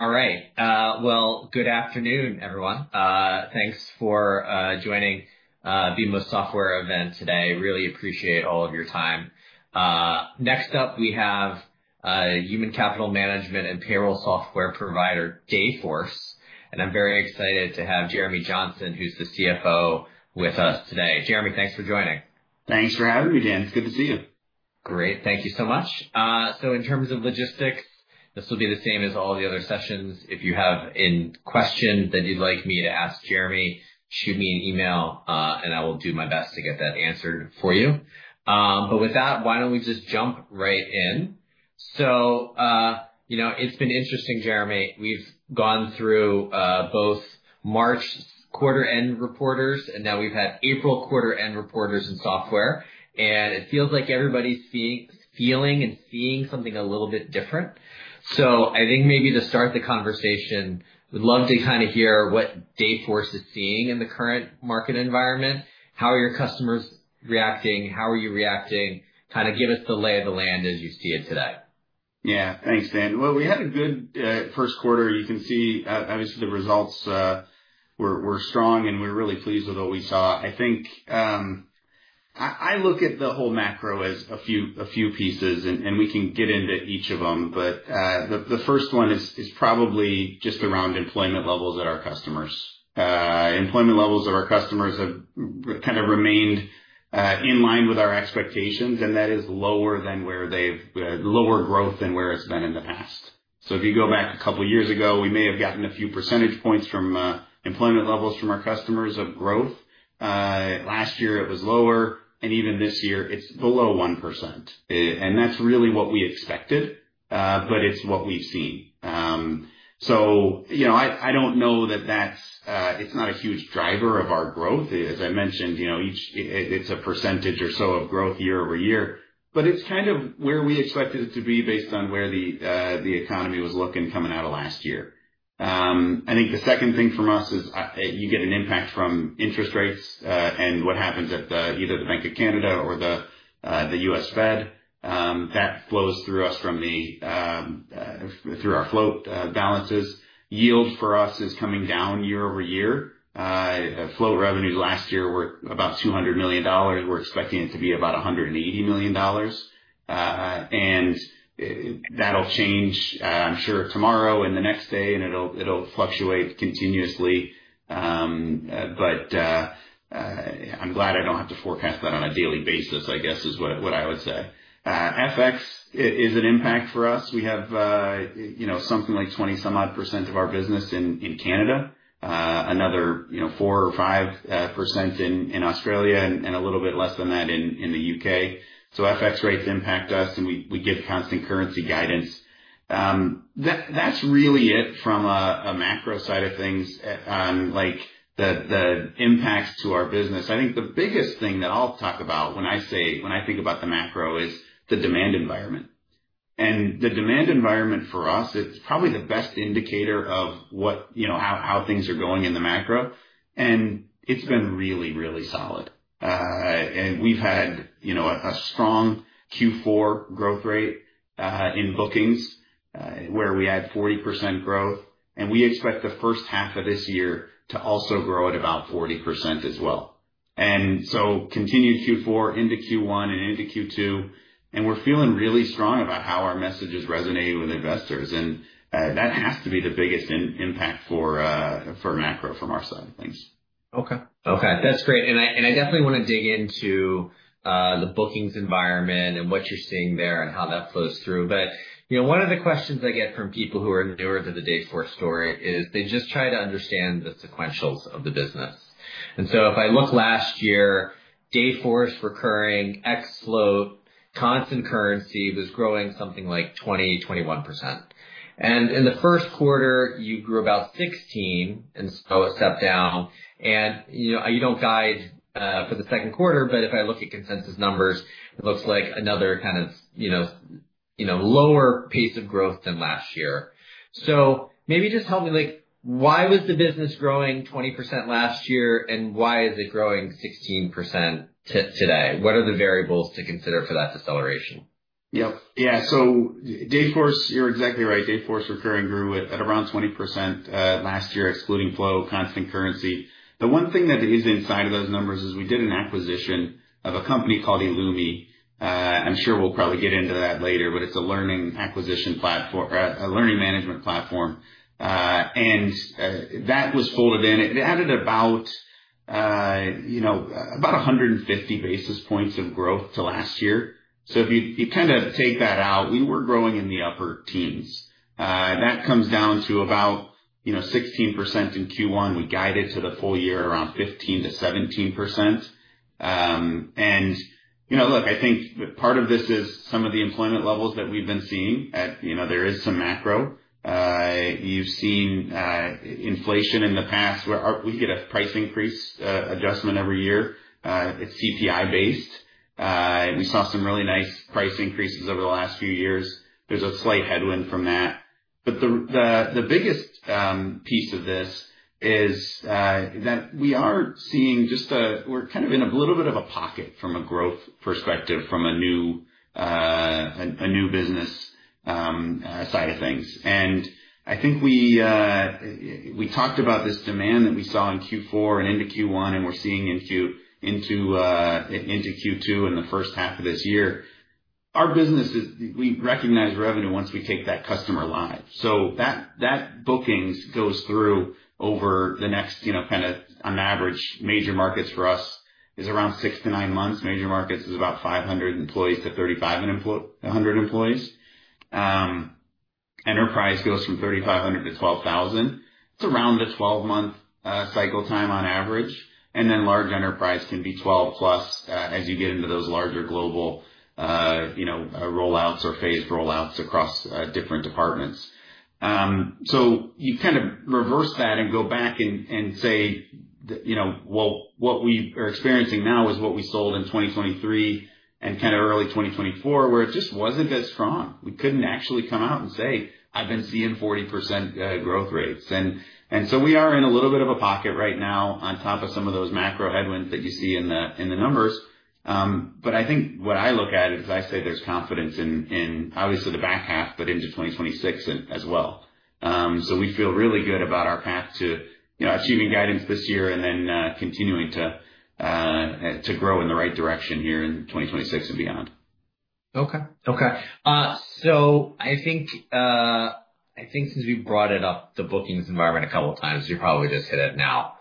All right. Good afternoon, everyone. Thanks for joining the BeMost Software event today. Really appreciate all of your time. Next up, we have human capital management and payroll software provider, Dayforce, and I'm very excited to have Jeremy Johnson, who's the CFO, with us today. Jeremy, thanks for joining. Thanks for having me, Dan. It's good to see you. Great. Thank you so much. In terms of logistics, this will be the same as all the other sessions. If you have any questions that you'd like me to ask Jeremy, shoot me an email, and I will do my best to get that answered for you. With that, why don't we just jump right in? It's been interesting, Jeremy. We've gone through both March quarter-end reporters, and now we've had April quarter-end reporters in software, and it feels like everybody's feeling and seeing something a little bit different. I think maybe to start the conversation, we'd love to kind of hear what Dayforce is seeing in the current market environment. How are your customers reacting? How are you reacting? Kind of give us the lay of the land as you see it today. Yeah. Thanks, Dan. We had a good first quarter. You can see, obviously, the results were strong, and we're really pleased with what we saw. I think I look at the whole macro as a few pieces, and we can get into each of them, but the first one is probably just around employment levels at our customers. Employment levels of our customers have kind of remained in line with our expectations, and that is lower growth than where it's been in the past. If you go back a couple of years ago, we may have gotten a few percentage points from employment levels from our customers of growth. Last year, it was lower, and even this year, it's below 1%. That's really what we expected, but it's what we've seen. I do not know that that's it's not a huge driver of our growth. As I mentioned, it's a percentage or so of growth year-over-year, but it's kind of where we expected it to be based on where the economy was looking coming out of last year. I think the second thing from us is you get an impact from interest rates and what happens at either the Bank of Canada or the U.S. Fed. That flows through us from the through our float balances. Yield for us is coming down year-over-year. Float revenues last year were about $200 million. We're expecting it to be about $180 million. That'll change, I'm sure, tomorrow and the next day, and it'll fluctuate continuously. I'm glad I do not have to forecast that on a daily basis, I guess, is what I would say. FX is an impact for us. We have something like 20-some-odd percent of our business in Canada, another 4% or 5% in Australia, and a little bit less than that in the U.K. FX rates impact us, and we give constant currency guidance. That is really it from a macro side of things on the impacts to our business. I think the biggest thing that I will talk about when I say, when I think about the macro is the demand environment. The demand environment for us, it is probably the best indicator of how things are going in the macro. It has been really, really solid. We have had a strong Q4 growth rate in bookings where we had 40% growth, and we expect the first half of this year to also grow at about 40% as well. Continued Q4 into Q1 and into Q2, and we're feeling really strong about how our message is resonating with investors. That has to be the biggest impact for macro from our side of things. Okay. Okay. That's great. I definitely want to dig into the bookings environment and what you're seeing there and how that flows through. One of the questions I get from people who are newer to the Dayforce story is they just try to understand the sequentials of the business. If I look last year, Dayforce recurring ex-float constant currency was growing something like 20%--21%. In the first quarter, you grew about 16%, and it stepped down. I don't guide for the second quarter, but if I look at consensus numbers, it looks like another kind of lower pace of growth than last year. Maybe just help me, why was the business growing 20% last year, and why is it growing 16% today? What are the variables to consider for that deceleration? Yep. Yeah. So Dayforce, you're exactly right. Dayforce recurring grew at around 20% last year, excluding float constant currency. The one thing that is inside of those numbers is we did an acquisition of a company called eloomi. I'm sure we'll probably get into that later, but it's a learning acquisition platform, a learning management platform, and that was folded in. It added about 150 basis points of growth to last year. If you kind of take that out, we were growing in the upper teens. That comes down to about 16% in Q1. We guided to the full year around 15%-17%. I think part of this is some of the employment levels that we've been seeing. There is some macro. You've seen inflation in the past where we get a price increase adjustment every year. It's CPI-based. We saw some really nice price increases over the last few years. There's a slight headwind from that. The biggest piece of this is that we are seeing just a, we're kind of in a little bit of a pocket from a growth perspective from a new business side of things. I think we talked about this demand that we saw in Q4 and into Q1, and we're seeing into Q2 and the first half of this year. Our business, we recognize revenue once we take that customer alive. That bookings goes through over the next kind of, on average, major markets for us is around six to nine months. Major markets is about 500 employees to 3,500 employees. Enterprise goes from 3,500 to 12,000. It's around the 12-month cycle time on average. Large enterprise can be 12-plus as you get into those larger global rollouts or phased rollouts across different departments. You kind of reverse that and go back and say, "What we are experiencing now is what we sold in 2023 and kind of early 2024, where it just was not as strong. We could not actually come out and say, 'I have been seeing 40% growth rates.'" We are in a little bit of a pocket right now on top of some of those macro headwinds that you see in the numbers. I think what I look at is I say there is confidence in, obviously, the back half, but into 2026 as well. We feel really good about our path to achieving guidance this year and then continuing to grow in the right direction here in 2026 and beyond. Okay. Okay. I think since we've brought it up, the bookings environment a couple of times, you probably just hit it now.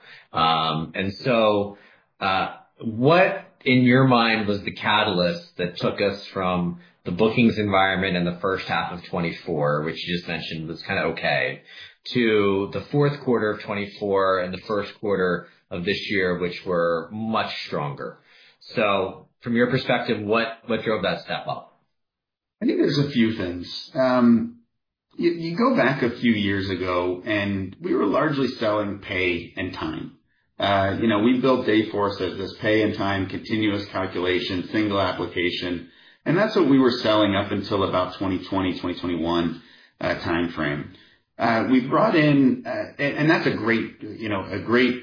What, in your mind, was the catalyst that took us from the bookings environment in the first half of 2024, which you just mentioned was kind of okay, to the fourth quarter of 2024 and the first quarter of this year, which were much stronger? From your perspective, what drove that step up? I think there's a few things. You go back a few years ago, and we were largely selling Pay 'n Time. We built Dayforce as this Pay 'n Time continuous calculation, single application. That's what we were selling up until about 2020, 2021 timeframe. We brought in, and that's a great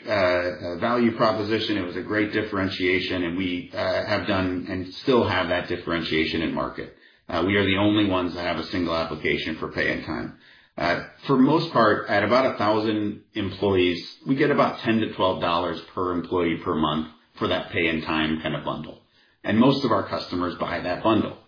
value proposition, it was a great differentiation, and we have done and still have that differentiation in market. We are the only ones that have a single application for Pay 'n Time. For the most part, at about 1,000 employees, we get about $10-$12 per employee per month for that Pay 'n Time kind of bundle. Most of our customers buy that bundle.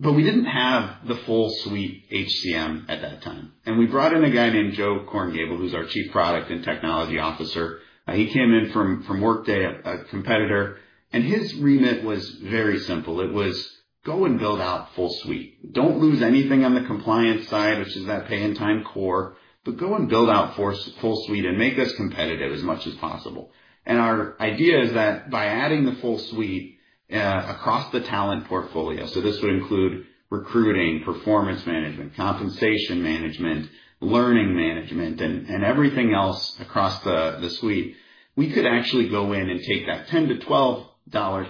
We didn't have the full suite HCM at that time. We brought in a guy named Joe Korngiebel, who's our Chief Product and Technology Officer. He came in from Workday, a competitor, and his remit was very simple. It was, "Go and build out full suite. Do not lose anything on the compliance side, which is that Pay 'n Time core, but go and build out full suite and make us competitive as much as possible." Our idea is that by adding the full suite across the talent portfolio, so this would include recruiting, performance management, compensation management, learning management, and everything else across the suite, we could actually go in and take that $10-$12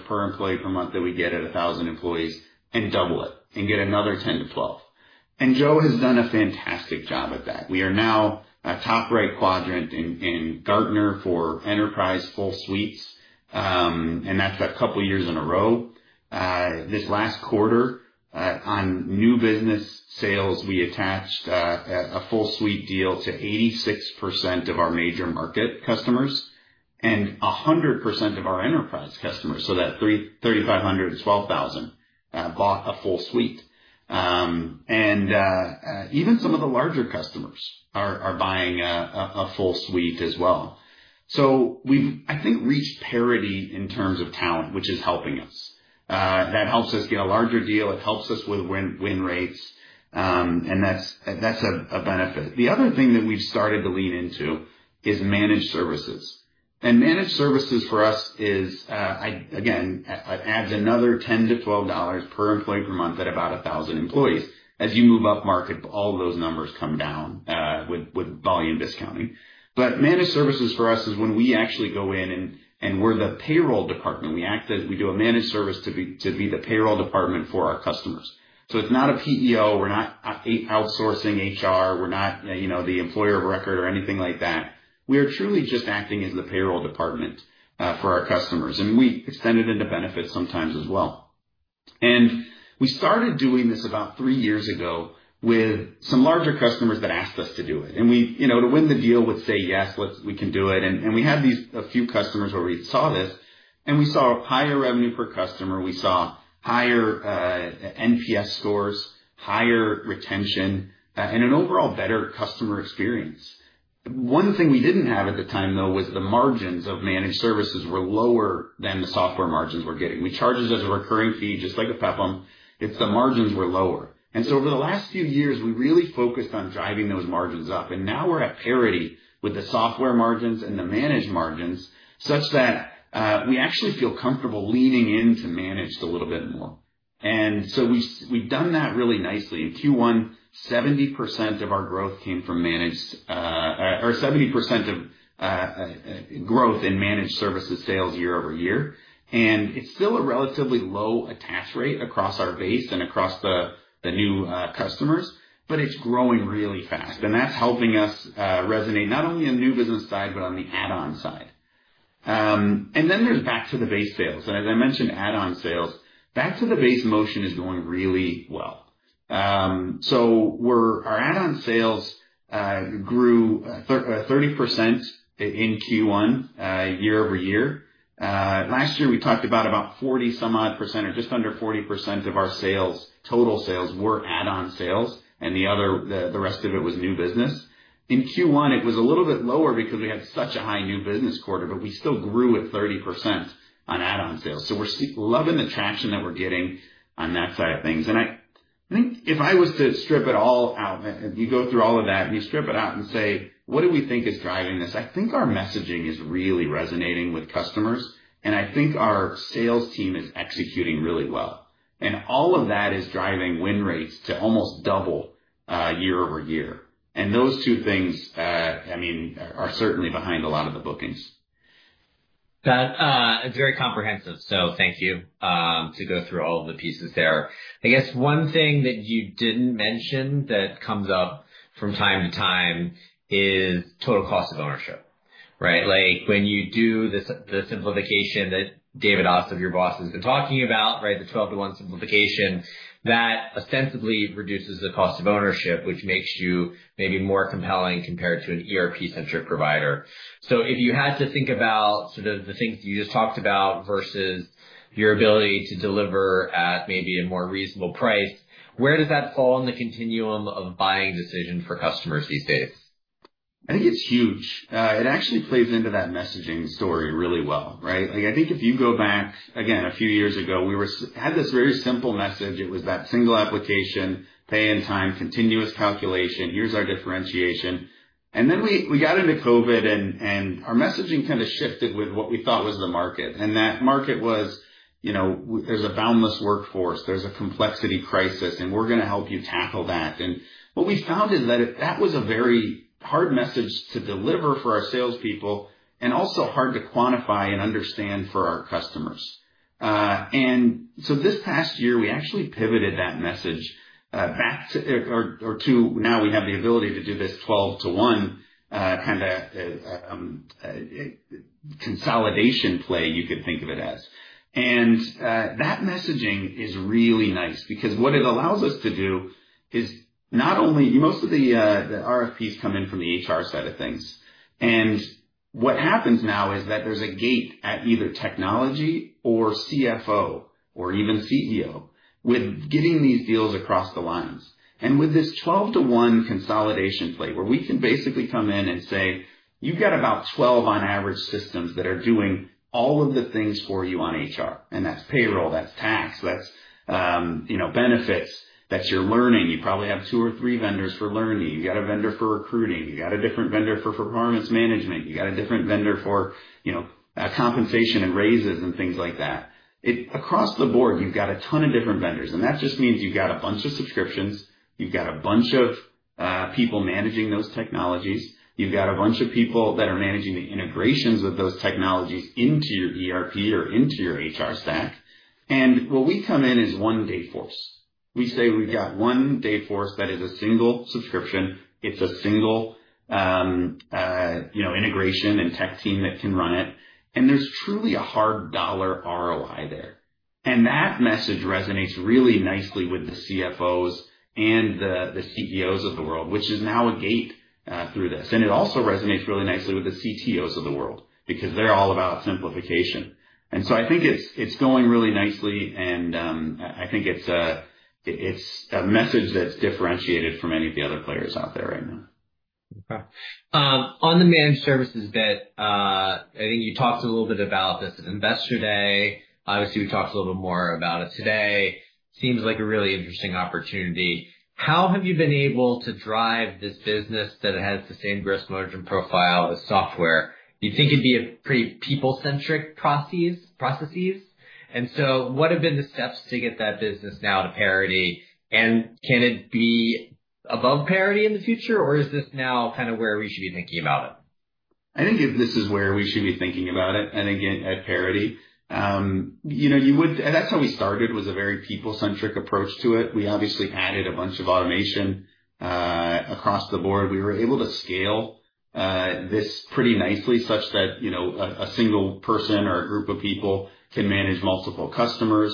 per employee per month that we get at 1,000 employees and double it and get another $10-$12. Joe has done a fantastic job at that. We are now a top right quadrant in Gartner for enterprise full suites, and that is a couple of years in a row. This last quarter, on new business sales, we attached a full suite deal to 86% of our major market customers and 100% of our enterprise customers. So that 3,500 and 12,000 bought a full suite. Even some of the larger customers are buying a full suite as well. We have, I think, reached parity in terms of talent, which is helping us. That helps us get a larger deal. It helps us win rates, and that's a benefit. The other thing that we have started to lean into is managed services. Managed services for us is, again, it adds another $10-$12 per employee per month at about 1,000 employees. As you move up market, all of those numbers come down with volume discounting. Managed services for us is when we actually go in and we are the payroll department. We act as we do a managed service to be the payroll department for our customers. It is not a PEO. We are not outsourcing HR. We are not the employer of record or anything like that. We are truly just acting as the payroll department for our customers. We extend it into benefits sometimes as well. We started doing this about three years ago with some larger customers that asked us to do it. To win the deal, we would say, "Yes, we can do it." We had these few customers where we saw this, and we saw higher revenue per customer. We saw higher NPS scores, higher retention, and an overall better customer experience. One thing we did not have at the time, though, was the margins of managed services were lower than the software margins we are getting. We charge it as a recurring fee, just like a PEPM. The margins were lower. Over the last few years, we really focused on driving those margins up. Now we are at parity with the software margins and the managed margins such that we actually feel comfortable leaning into managed a little bit more. We have done that really nicely. In Q1, 70% of our growth came from managed, or 70% of growth in managed services sales year-over-year. It is still a relatively low attach rate across our base and across the new customers, but it is growing really fast. That is helping us resonate not only on the new business side, but on the add-on side. There is back to the base sales. As I mentioned, add-on sales, back to the base motion is going really well. Our add-on sales grew 30% in Q1 year-over-year. Last year, we talked about 40-some-odd percent or just under 40% of our sales, total sales, were add-on sales, and the rest of it was new business. In Q1, it was a little bit lower because we had such a high new business quarter, but we still grew at 30% on add-on sales. We are loving the traction that we are getting on that side of things. I think if I was to strip it all out, you go through all of that, and you strip it out and say, "What do we think is driving this?" I think our messaging is really resonating with customers, and I think our sales team is executing really well. All of that is driving win rates to almost double year-over-year. Those two things, I mean, are certainly behind a lot of the bookings. That's very comprehensive. Thank you to go through all of the pieces there. I guess one thing that you didn't mention that comes up from time to time is total cost of ownership, right? When you do the simplification that David Ossip, your boss, has been talking about, right, the 12-to-1 simplification, that ostensibly reduces the cost of ownership, which makes you maybe more compelling compared to an ERP-centric provider. If you had to think about sort of the things you just talked about versus your ability to deliver at maybe a more reasonable price, where does that fall on the continuum of buying decision for customers these days? I think it's huge. It actually plays into that messaging story really well, right? I think if you go back, again, a few years ago, we had this very simple message. It was that single application, Pay 'n Time, continuous calculation. Here's our differentiation. We got into COVID, and our messaging kind of shifted with what we thought was the market. That market was, "There's a boundless workforce. There's a complexity crisis, and we're going to help you tackle that." What we found is that that was a very hard message to deliver for our salespeople and also hard to quantify and understand for our customers. This past year, we actually pivoted that message back to, or to now we have the ability to do this 12-to-1 kind of consolidation play, you could think of it as. That messaging is really nice because what it allows us to do is not only most of the RFPs come in from the HR side of things. What happens now is that there's a gate at either technology or CFO or even CEO with getting these deals across the lines. With this 12-to-1 consolidation play where we can basically come in and say, "You've got about 12 on average systems that are doing all of the things for you on HR." That's payroll, that's tax, that's benefits, that's your learning. You probably have two or three vendors for learning. You've got a vendor for recruiting. You've got a different vendor for performance management. You've got a different vendor for compensation and raises and things like that. Across the board, you've got a ton of different vendors. That just means you've got a bunch of subscriptions. You've got a bunch of people managing those technologies. You've got a bunch of people that are managing the integrations of those technologies into your ERP or into your HR stack. What we come in is one Dayforce. We say we've got one Dayforce that is a single subscription. It's a single integration and tech team that can run it. There's truly a hard dollar ROI there. That message resonates really nicely with the CFOs and the CEOs of the world, which is now a gate through this. It also resonates really nicely with the CTOs of the world because they're all about simplification. I think it's going really nicely, and I think it's a message that's differentiated from any of the other players out there right now. Okay. On the managed services bit, I think you talked a little bit about this at Investor Day. Obviously, we talked a little bit more about it today. Seems like a really interesting opportunity. How have you been able to drive this business that has the same gross margin profile as software? You'd think it'd be a pretty people-centric processes. What have been the steps to get that business now to parity? Can it be above parity in the future, or is this now kind of where we should be thinking about it? I think if this is where we should be thinking about it, and again, at parity, you would, and that's how we started, was a very people-centric approach to it. We obviously added a bunch of automation across the board. We were able to scale this pretty nicely such that a single person or a group of people can manage multiple customers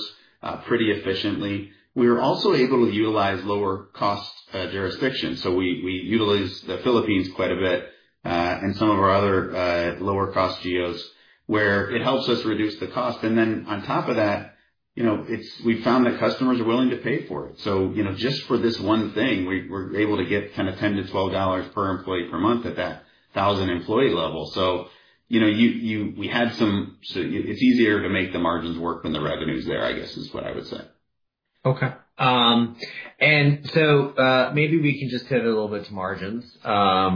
pretty efficiently. We were also able to utilize lower-cost jurisdictions. We utilize the Philippines quite a bit and some of our other lower-cost GEOs, where it helps us reduce the cost. On top of that, we found that customers are willing to pay for it. Just for this one thing, we're able to get kind of $10-$12 per employee per month at that 1,000-employee level. We had some, it's easier to make the margins work when the revenue's there, I guess, is what I would say. Okay. Maybe we can just hit it a little bit to margins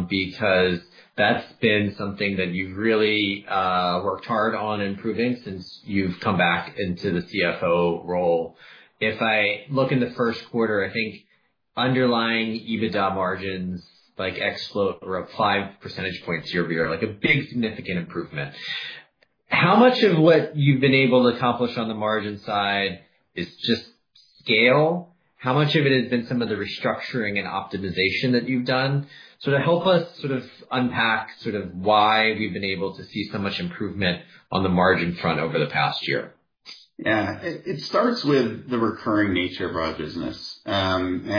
because that's been something that you've really worked hard on improving since you've come back into the CFO role. If I look in the first quarter, I think underlying EBITDA margins like ex-float were up five percentage points year over year, like a big significant improvement. How much of what you've been able to accomplish on the margin side is just scale? How much of it has been some of the restructuring and optimization that you've done? To help us sort of unpack sort of why we've been able to see so much improvement on the margin front over the past year. Yeah. It starts with the recurring nature of our business, and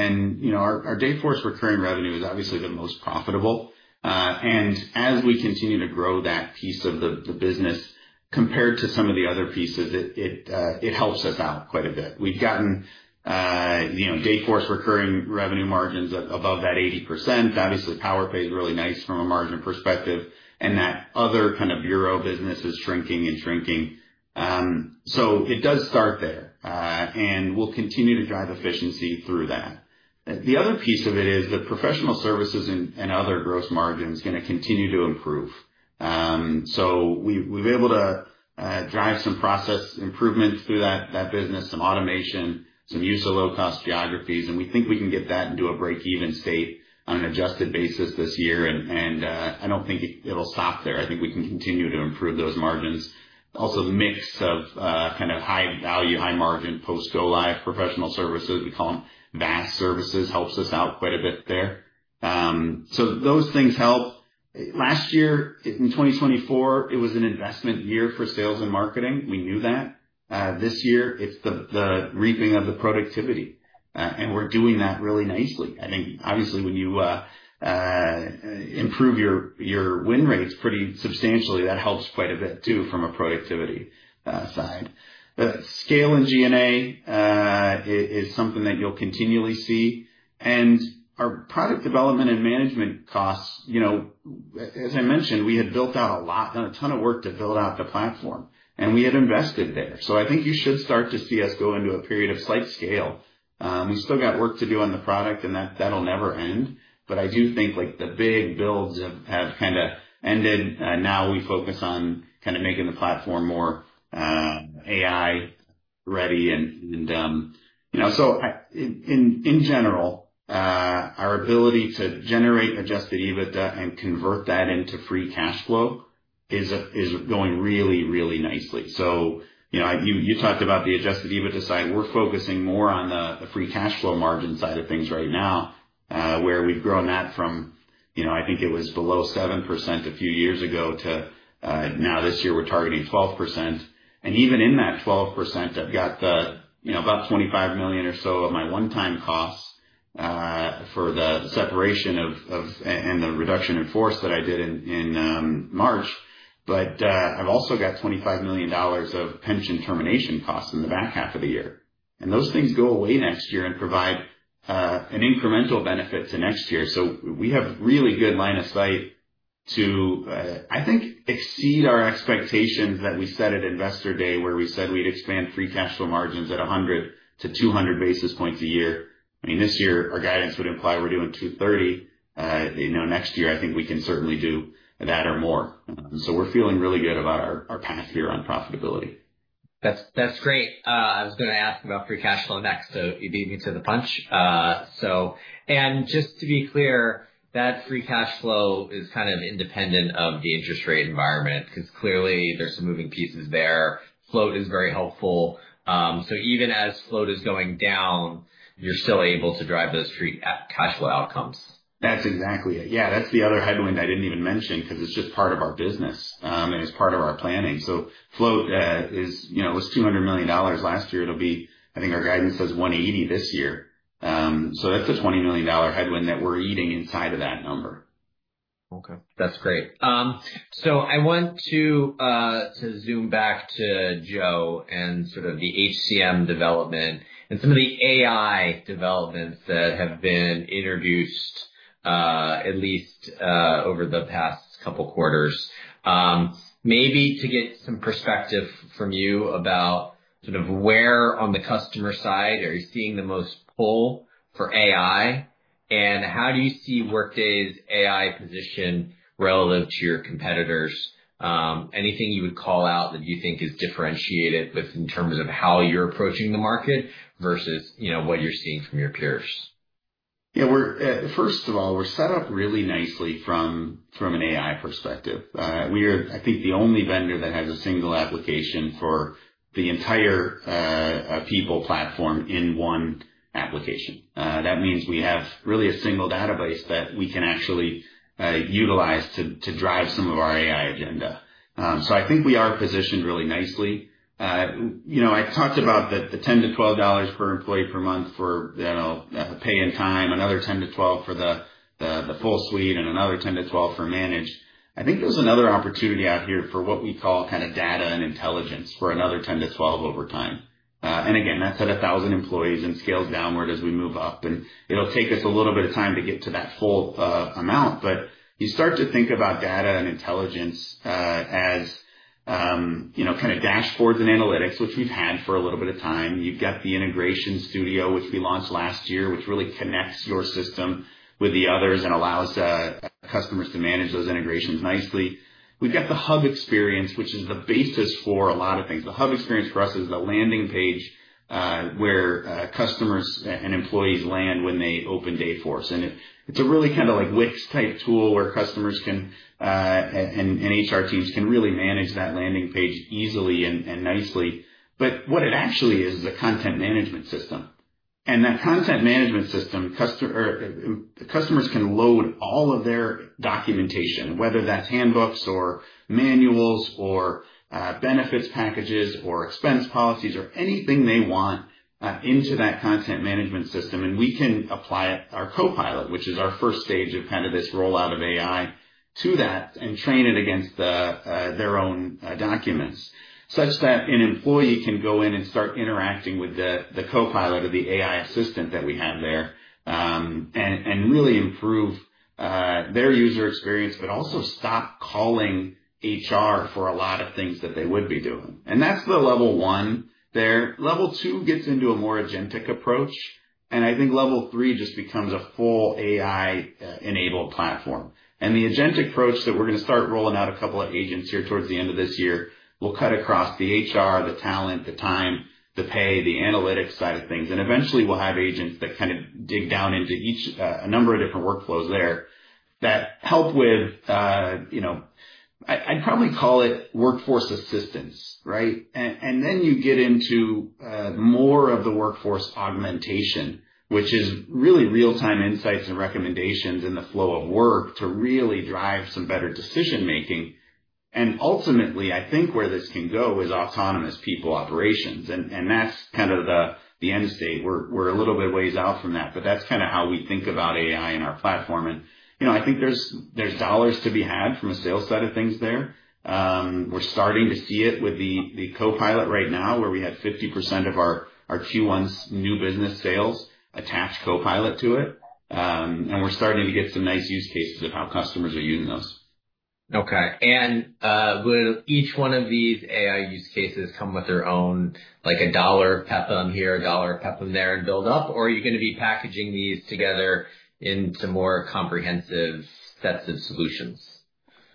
our Dayforce recurring revenue is obviously the most profitable. As we continue to grow that piece of the business compared to some of the other pieces, it helps us out quite a bit. We've gotten Dayforce recurring revenue margins above that 80%. Obviously, Powerpay is really nice from a margin perspective, and that other kind of bureau business is shrinking and shrinking. It does start there, and we'll continue to drive efficiency through that. The other piece of it is the professional services and other gross margins are going to continue to improve. We've been able to drive some process improvements through that business, some automation, some use of low-cost geographies, and we think we can get that into a break-even state on an adjusted basis this year. I don't think it'll stop there. I think we can continue to improve those margins. Also, a mix of kind of high-value, high-margin post-Go-Live professional services, we call them VAS services, helps us out quite a bit there. Those things help. Last year, in 2024, it was an investment year for sales and marketing. We knew that. This year, it's the reaping of the productivity, and we're doing that really nicely. I think, obviously, when you improve your win rates pretty substantially, that helps quite a bit too from a productivity side. Scale in G&A is something that you'll continually see. Our product development and management costs, as I mentioned, we had built out a lot, a ton of work to build out the platform, and we had invested there. I think you should start to see us go into a period of slight scale. We still got work to do on the product, and that'll never end. I do think the big builds have kind of ended. Now we focus on kind of making the platform more AI-ready. In general, our ability to generate adjusted EBITDA and convert that into free cash flow is going really, really nicely. You talked about the adjusted EBITDA side. We're focusing more on the free cash flow margin side of things right now, where we've grown that from, I think it was below 7% a few years ago to now this year, we're targeting 12%. Even in that 12%, I've got about $25 million or so of my one-time costs for the separation and the reduction in force that I did in March. I've also got $25 million of pension termination costs in the back half of the year. Those things go away next year and provide an incremental benefit to next year. We have a really good line of sight to, I think, exceed our expectations that we set at Investor Day, where we said we'd expand free cash flow margins at 100-200 basis points a year. I mean, this year, our guidance would imply we're doing 230. Next year, I think we can certainly do that or more. We're feeling really good about our path here on profitability. That's great. I was going to ask about free cash flow next, so you beat me to the punch. Just to be clear, that free cash flow is kind of independent of the interest rate environment because clearly there's some moving pieces there. Float is very helpful. Even as float is going down, you're still able to drive those free cash flow outcomes. That's exactly it. Yeah. That's the other headwind I didn't even mention because it's just part of our business and it's part of our planning. So float was $200 million last year. It'll be, I think our guidance says $180 million this year. So that's a $20 million headwind that we're eating inside of that number. Okay. That's great. I want to zoom back to Joe and sort of the HCM development and some of the AI developments that have been introduced at least over the past couple of quarters. Maybe to get some perspective from you about sort of where on the customer side are you seeing the most pull for AI, and how do you see Workday's AI position relative to your competitors? Anything you would call out that you think is differentiated in terms of how you're approaching the market versus what you're seeing from your peers? Yeah. First of all, we're set up really nicely from an AI perspective. We are, I think, the only vendor that has a single application for the entire people platform in one application. That means we have really a single database that we can actually utilize to drive some of our AI agenda. I think we are positioned really nicely. I talked about the $10-$12 per employee per month for Pay 'n Time, another $10-$12 for the full suite, and another $10-$12 for managed. I think there's another opportunity out here for what we call kind of data and intelligence for another $10-$12 over time. Again, that's at 1,000 employees and scales downward as we move up. It'll take us a little bit of time to get to that full amount. You start to think about data and intelligence as kind of dashboards and analytics, which we've had for a little bit of time. You've got the Integration Studio, which we launched last year, which really connects your system with the others and allows customers to manage those integrations nicely. We've got the Hub Experience, which is the basis for a lot of things. The Hub Experience for us is the landing page where customers and employees land when they open Dayforce. It's a really kind of like Wix-type tool where customers and HR teams can really manage that landing page easily and nicely. What it actually is is a content management system. In that content management system, customers can load all of their documentation, whether that's handbooks or manuals or benefits packages or expense policies or anything they want into that content management system. We can apply our Co-Pilot, which is our first stage of kind of this rollout of AI, to that and train it against their own documents such that an employee can go in and start interacting with the Co-Pilot or the AI assistant that we have there and really improve their user experience, but also stop calling HR for a lot of things that they would be doing. That is the level one there. Level two gets into a more agentic approach. I think level three just becomes a full AI-enabled platform. The agentic approach that we are going to start rolling out, a couple of agents here towards the end of this year, will cut across the HR, the talent, the time, the pay, the analytics side of things. Eventually, we'll have agents that kind of dig down into a number of different workflows there that help with, I'd probably call it, workforce assistance, right? You get into more of the workforce augmentation, which is really real-time insights and recommendations in the flow of work to really drive some better decision-making. Ultimately, I think where this can go is autonomous people operations. That's kind of the end state. We're a little bit ways out from that, but that's kind of how we think about AI in our platform. I think there's dollars to be had from a sales side of things there. We're starting to see it with the Co-Pilot right now, where we had 50% of our Q1's new business sales attached Co-Pilot to it. We're starting to get some nice use cases of how customers are using those. Okay. Will each one of these AI use cases come with their own dollar PEPM here, a dollar PEPM there and build up, or are you going to be packaging these together into more comprehensive sets of solutions?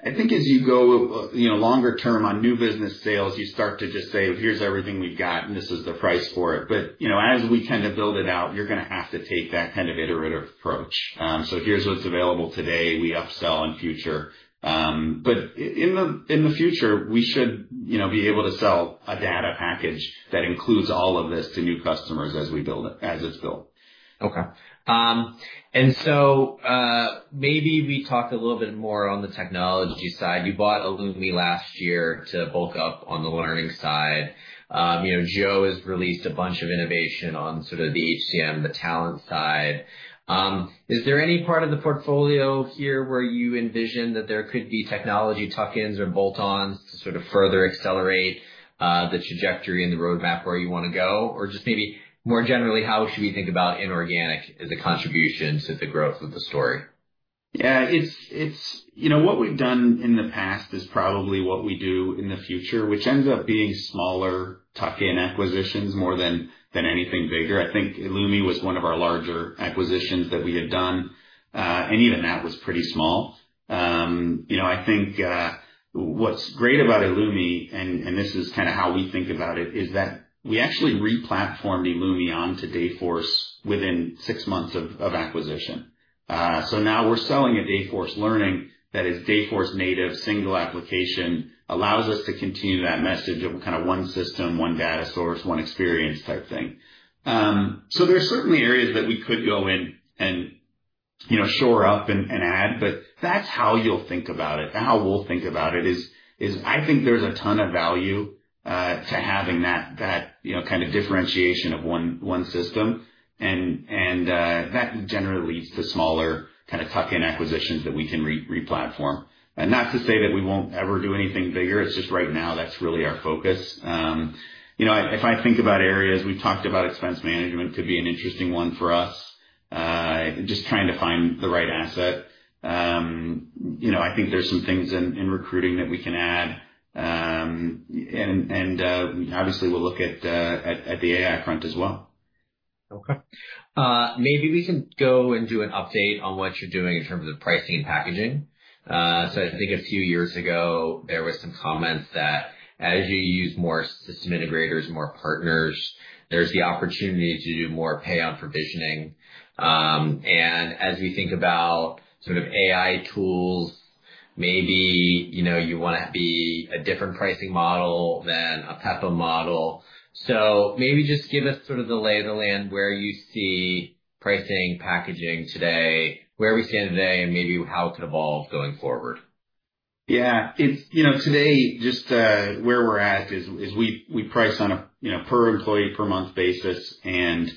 I think as you go longer term on new business sales, you start to just say, "Here's everything we've got, and this is the price for it." As we kind of build it out, you're going to have to take that kind of iterative approach. Here is what's available today. We upsell in future. In the future, we should be able to sell a data package that includes all of this to new customers as it's built. Okay. Maybe we talk a little bit more on the technology side. You bought eloomi last year to bulk up on the learning side. Joe has released a bunch of innovation on sort of the HCM, the talent side. Is there any part of the portfolio here where you envision that there could be technology tuck-ins or bolt-ons to sort of further accelerate the trajectory and the roadmap where you want to go? Or just maybe more generally, how should we think about inorganic as a contribution to the growth of the story? Yeah. What we've done in the past is probably what we do in the future, which ends up being smaller tuck-in acquisitions more than anything bigger. I think eloomi was one of our larger acquisitions that we had done, and even that was pretty small. I think what's great about eloomi, and this is kind of how we think about it, is that we actually replatformed eloomi onto Dayforce within six months of acquisition. Now, we're selling a Dayforce Learning that is Dayforce Native, single application, allows us to continue that message of kind of one system, one data source, one experience-type thing. There are certainly areas that we could go in and shore up and add, but that's how you'll think about it, how we'll think about it, is I think there's a ton of value to having that kind of differentiation of one system. That generally leads to smaller kind of tuck-in acquisitions that we can replatform. Not to say that we won't ever do anything bigger. It's just right now that's really our focus. If I think about areas, we've talked about expense management could be an interesting one for us, just trying to find the right asset. I think there's some things in recruiting that we can add. Obviously, we'll look at the AI front as well. Okay. Maybe we can go and do an update on what you're doing in terms of pricing and packaging. I think a few years ago, there were some comments that as you use more system integrators, more partners, there's the opportunity to do more pay-on-provisioning. As we think about sort of AI tools, maybe you want to be a different pricing model than a PEPM model. Maybe just give us sort of the lay of the land where you see pricing and packaging today, where we stand today, and maybe how it could evolve going forward. Yeah. Today, just where we're at is we price on a per-employee, per-month basis, and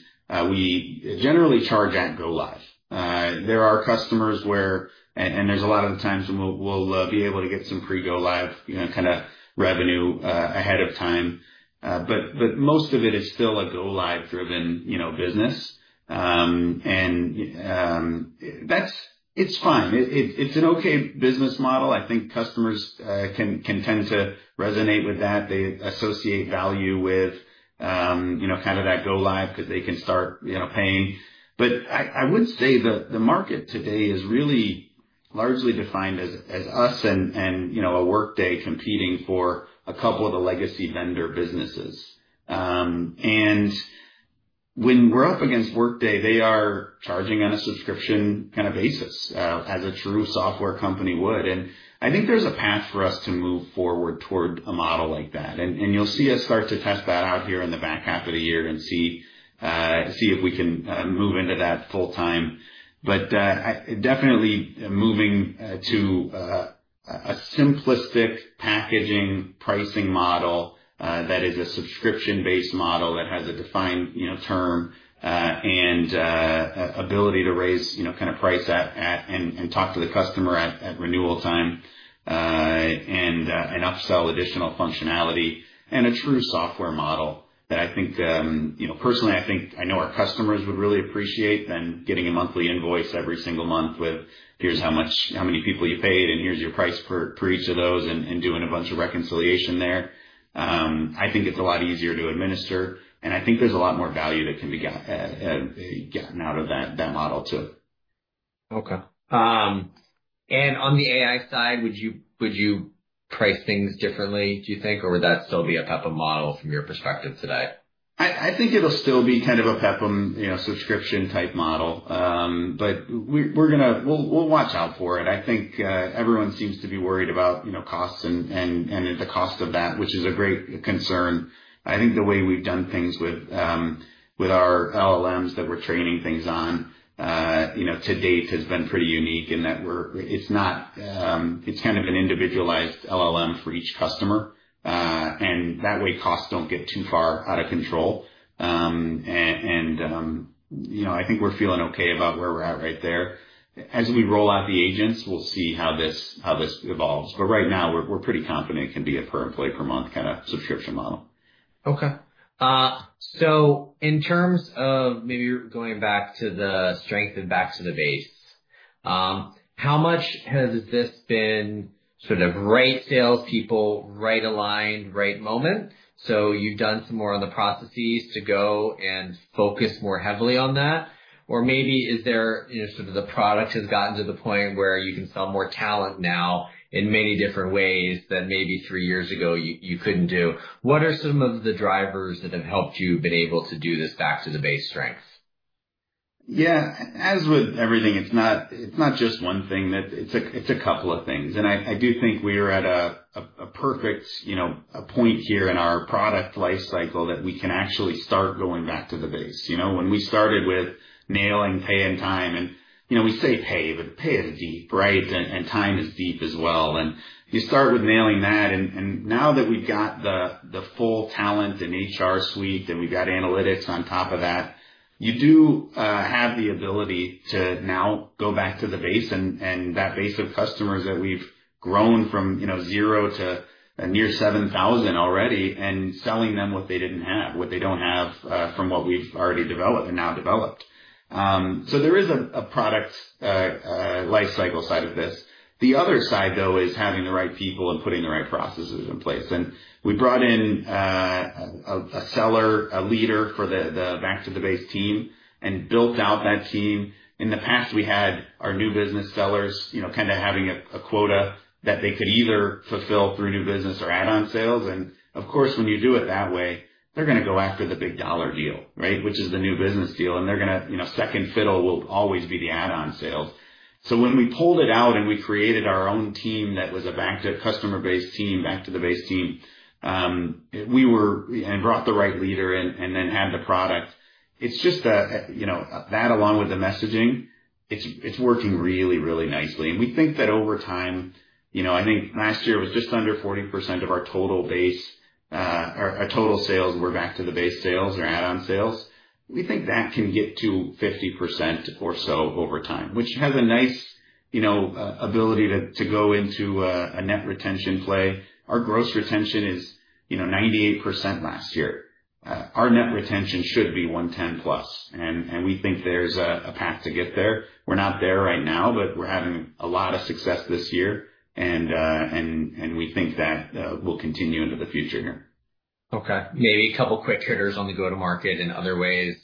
we generally charge at Go-Live. There are customers where, and there's a lot of the times we'll be able to get some pre-Go-Live kind of revenue ahead of time. Most of it is still a Go-Live-driven business. It's fine. It's an okay business model. I think customers can tend to resonate with that. They associate value with kind of that Go-Live because they can start paying. I would say the market today is really largely defined as us and Workday competing for a couple of the legacy vendor businesses. When we're up against Workday, they are charging on a subscription kind of basis as a true software company would. I think there's a path for us to move forward toward a model like that. You'll see us start to test that out here in the back half of the year and see if we can move into that full-time. Definitely moving to a simplistic packaging pricing model that is a subscription-based model that has a defined term and ability to raise kind of price and talk to the customer at renewal time and upsell additional functionality and a true software model that I think personally, I think I know our customers would really appreciate than getting a monthly invoice every single month with, "Here's how many people you paid, and here's your price for each of those," and doing a bunch of reconciliation there. I think it's a lot easier to administer. I think there's a lot more value that can be gotten out of that model too. Okay. On the AI side, would you price things differently, do you think? Or would that still be a PEPM model from your perspective today? I think it'll still be kind of a PEPM subscription-type model. We'll watch out for it. I think everyone seems to be worried about costs and the cost of that, which is a great concern. I think the way we've done things with our LLMs that we're training things on to date has been pretty unique in that it's kind of an individualized LLM for each customer. That way, costs don't get too far out of control. I think we're feeling okay about where we're at right there. As we roll out the agents, we'll see how this evolves. Right now, we're pretty confident it can be a per-employee, per-month kind of subscription model. Okay. In terms of maybe going back to the strength and back-to-the-base, how much has this been sort of right salespeople, right aligned, right moment? You've done some more on the processes to go and focus more heavily on that. Or maybe is it that the product has gotten to the point where you can sell more talent now in many different ways than maybe three years ago you couldn't do. What are some of the drivers that have helped you been able to do this back to the base strength? Yeah. As with everything, it's not just one thing. It's a couple of things. I do think we are at a perfect point here in our product lifecycle that we can actually start going back to the base. When we started with nailing pay and time, and we say pay, but pay is deep, right? Time is deep as well. You start with nailing that. Now that we've got the full talent and HR suite and we've got analytics on top of that, you do have the ability to now go back to the base and that base of customers that we've grown from zero to near 7,000 already and selling them what they didn't have, what they don't have from what we've already developed and now developed. There is a product lifecycle side of this. The other side, though, is having the right people and putting the right processes in place. We brought in a seller, a leader for the back-to-the-base team and built out that team. In the past, we had our new business sellers kind of having a quota that they could either fulfill through new business or add-on sales. Of course, when you do it that way, they're going to go after the big dollar deal, right, which is the new business deal. Second fiddle will always be the add-on sales. When we pulled it out and we created our own team that was a back-to-customer-base team, back-to-the-base team, and brought the right leader in and then had the product, it's just that along with the messaging, it's working really, really nicely. We think that over time, I think last year with just under 40% of our total base or our total sales were back-to-the-base sales or add-on sales, we think that can get to 50% or so over time, which has a nice ability to go into a net retention play. Our gross retention is 98% last year. Our net retention should be 110% plus. We think there is a path to get there. We are not there right now, but we are having a lot of success this year. We think that will continue into the future here. Okay. Maybe a couple of quick hitters on the go-to-market in other ways,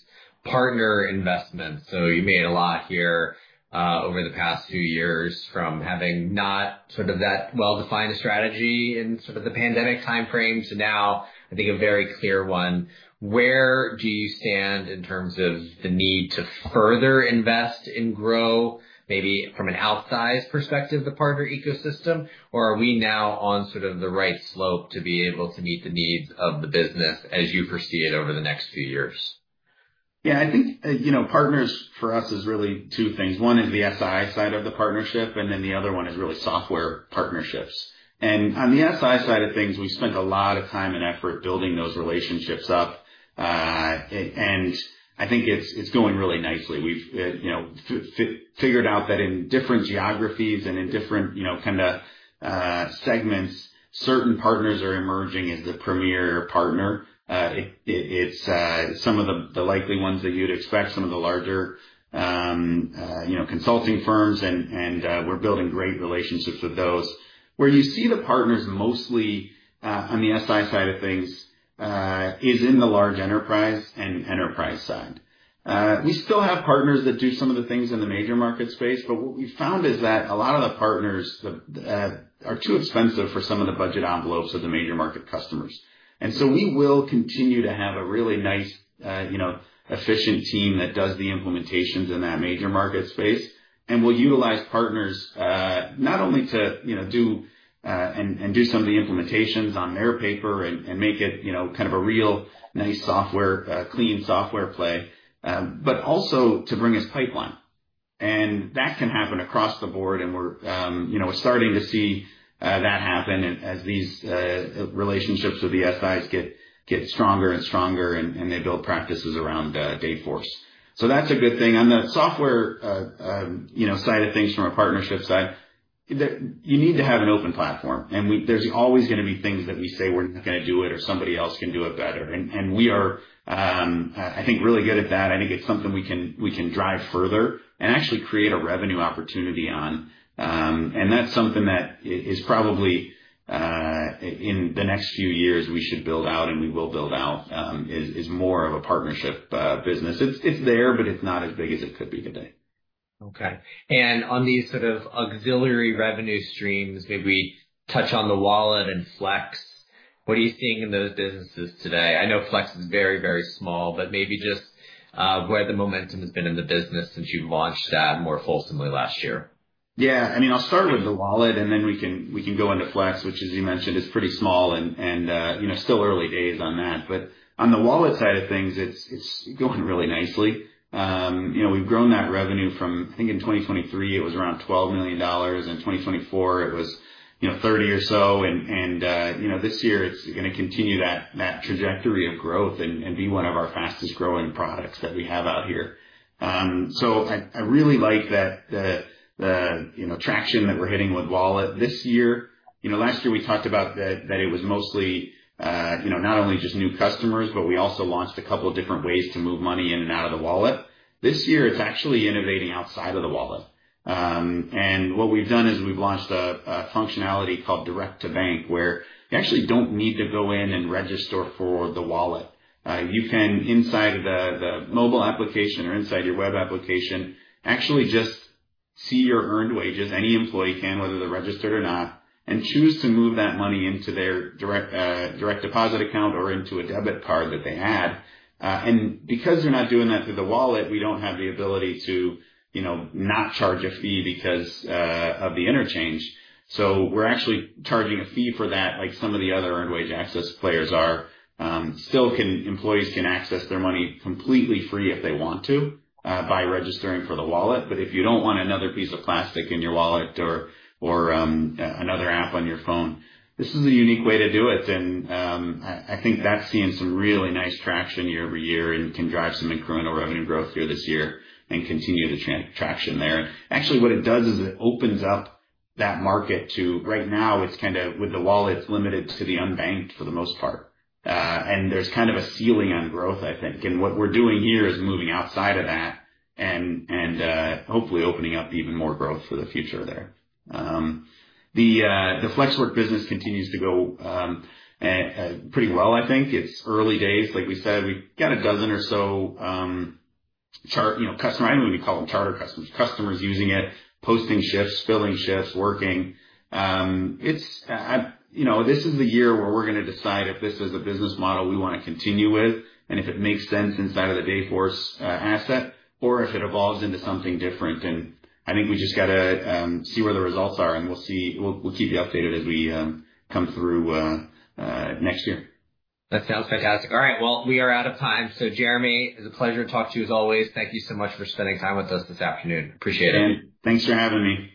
partner investments. You made a lot here over the past few years from having not sort of that well-defined strategy in sort of the pandemic timeframe to now, I think, a very clear one. Where do you stand in terms of the need to further invest and grow, maybe from an outsized perspective, the partner ecosystem? Are we now on sort of the right slope to be able to meet the needs of the business as you foresee it over the next few years? Yeah. I think partners for us is really two things. One is the SI side of the partnership, and then the other one is really software partnerships. On the SI side of things, we've spent a lot of time and effort building those relationships up. I think it's going really nicely. We've figured out that in different geographies and in different kind of segments, certain partners are emerging as the premier partner. It's some of the likely ones that you'd expect, some of the larger consulting firms. We're building great relationships with those. Where you see the partners mostly on the SI side of things is in the large enterprise and enterprise side. We still have partners that do some of the things in the major market space, but what we found is that a lot of the partners are too expensive for some of the budget envelopes of the major market customers. We will continue to have a really nice, efficient team that does the implementations in that major market space. We will utilize partners not only to do and do some of the implementations on their paper and make it kind of a real nice software, clean software play, but also to bring us pipeline. That can happen across the board. We are starting to see that happen as these relationships with the SIs get stronger and stronger, and they build practices around Dayforce. That is a good thing. On the software side of things from a partnership side, you need to have an open platform. There is always going to be things that we say we are not going to do it or somebody else can do it better. We are, I think, really good at that. I think it is something we can drive further and actually create a revenue opportunity on. That is something that is probably in the next few years we should build out, and we will build out, is more of a partnership business. It is there, but it is not as big as it could be today. Okay. On these sort of auxiliary revenue streams, maybe touch on The Wallet and Flex. What are you seeing in those businesses today? I know Flex is very, very small, but maybe just where the momentum has been in the business since you launched that more fulsomely last year. Yeah. I mean, I'll start with The Wallet, and then we can go into Flex, which, as you mentioned, is pretty small and still early days on that. On The Wallet side of things, it's going really nicely. We've grown that revenue from, I think, in 2023, it was around $12 million. In 2024, it was $30 million or so. This year, it's going to continue that trajectory of growth and be one of our fastest-growing products that we have out here. I really like the traction that we're hitting with Wallet this year. Last year, we talked about that it was mostly not only just new customers, but we also launched a couple of different ways to move money in and out of The Wallet. This year, it's actually innovating outside of The Wallet. What we have done is we have launched a functionality called Direct to Bank, where you actually do not need to go in and register for The Wallet. You can, inside the mobile application or inside your web application, actually just see your earned wages. Any employee can, whether they are registered or not, and choose to move that money into their direct deposit account or into a debit card that they add. Because they are not doing that through The Wallet, we do not have the ability to not charge a fee because of the interchange. We are actually charging a fee for that, like some of the other earned wage access players are. Still, employees can access their money completely free if they want to by registering for the wallet. If you do not want another piece of plastic in your wallet or another app on your phone, this is a unique way to do it. I think that is seeing some really nice traction year over year and can drive some incremental revenue growth here this year and continue the traction there. Actually, what it does is it opens up that market to right now, it is kind of with the Wallet, it is limited to the unbanked for the most part. There is kind of a ceiling on growth, I think. What we are doing here is moving outside of that and hopefully opening up even more growth for the future there. The FlexWork business continues to go pretty well, I think. It is early days. Like we said, we have got a dozen or so customers. I do not even call them charter customers. Customers using it, posting shifts, filling shifts, working. This is the year where we're going to decide if this is a business model we want to continue with and if it makes sense inside of the Dayforce asset or if it evolves into something different. I think we just got to see where the results are, and we'll keep you updated as we come through next year. That sounds fantastic. All right. We are out of time. Jeremy, it was a pleasure to talk to you as always. Thank you so much for spending time with us this afternoon. Appreciate it. Thanks for having me.